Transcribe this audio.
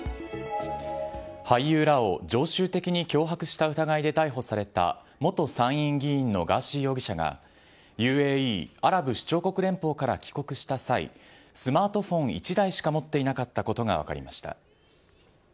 俳優らを常習的に脅迫した疑いで逮捕された元参院議員のガーシー容疑者が、ＵＡＥ・アラブ首長国連邦から帰国した際、スマートフォン１台しかもっていなかったことが分かりました。